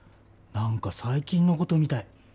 何か最近のことみたい。